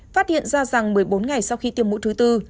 phát hiện ra rằng một mươi bốn ngày sau khi tiêm mũi thứ tư